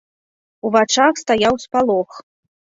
У вачах стаяў спалох.